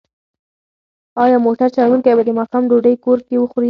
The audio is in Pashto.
ایا موټر چلونکی به د ماښام ډوډۍ کور کې وخوري؟